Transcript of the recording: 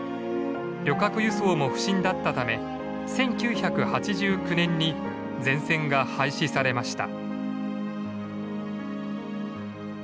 旅客輸送も不振だっため１９８９年に全線が廃止されました。